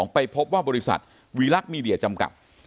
ไปพบว่าบริษัทวีลักษณ์มีเดียจำกัด